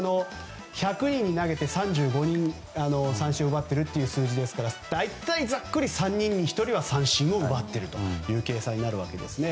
１００人に投げて３５人、三振を奪っているという数字なので大体ざっくり、３人に１人は三振を奪っているという計算になるわけです。